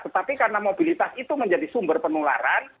tetapi karena mobilitas itu menjadi sumber penularan